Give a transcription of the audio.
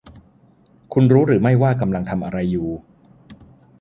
คุณรู้หรือไม่ว่ากำลังทำอะไรอยู่